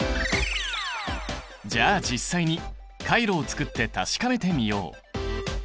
じゃあ実際にカイロをつくって確かめてみよう！